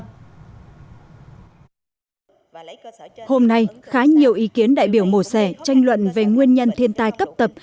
hôm nay khá nhiều ý kiến đại biểu mồ sẻ tranh luận về nguyên nhân thiên tai cấp tập